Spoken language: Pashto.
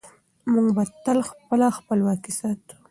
موږ به تل خپله خپلواکي ساتو.